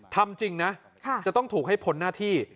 ทำจริงนะจะต้องถูกให้พ้นหน้าที่